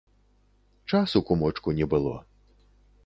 Часу, кумочку, не было.